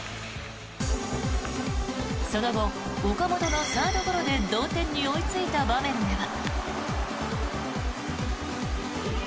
その後、岡本のサードゴロで同点に追いついた場面では。